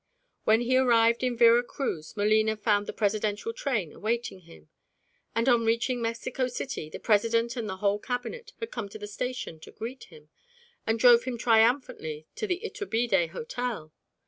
When he arrived in Vera Cruz Molina found the presidential train awaiting him, and on reaching Mexico City the President and the whole Cabinet had come to the station to greet him, and drove him triumphantly to the Iturbide Hotel.